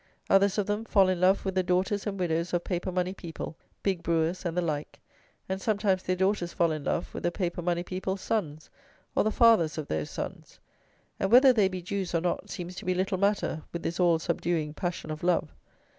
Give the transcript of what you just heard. Others of them fall in love with the daughters and widows of paper money people, big brewers, and the like; and sometimes their daughters fall in love with the paper money people's sons, or the fathers of those sons; and, whether they be Jews, or not, seems to be little matter with this all subduing passion of love.